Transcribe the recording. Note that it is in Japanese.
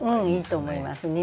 いいと思います